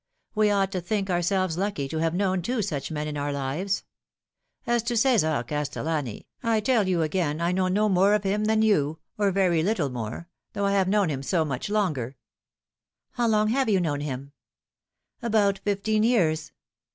"We ought to think ourselves lucky to have known two such men in our lives. As to C6sar Castellani, I tell you again I know no more of him than you or very little more though I have known him so much longer." " How long have you known him ?"" About fifteen years."